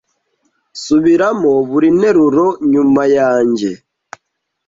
Subiramo buri nteruro nyuma yanjye.